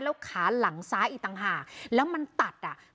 แล้วขาหลังซ้ายอีกต่างหากแล้วมันตัดอ่ะ